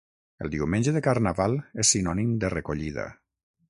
El diumenge de carnaval és sinònim de recollida.